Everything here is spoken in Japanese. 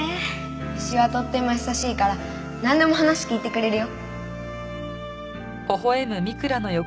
牛はとっても優しいからなんでも話聞いてくれるよ。